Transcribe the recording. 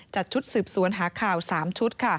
จัดชุดสืบสวนหาข่าว๓ชุด